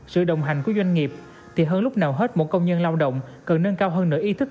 sự đồng hành của doanh nghiệp thì hơn lúc nào hết mỗi công nhân lao động cần nâng cao hơn nửa ý thức